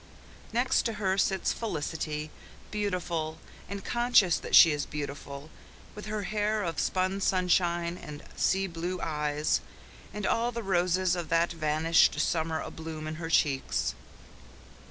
Next to her sits Felicity, beautiful, and conscious that she is beautiful, with hair of spun sunshine, and sea blue eyes, and all the roses of that vanished summer abloom in her cheeks.